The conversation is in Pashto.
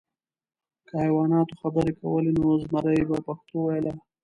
که حیواناتو خبرې کولی، نو زمری به پښتو ویله .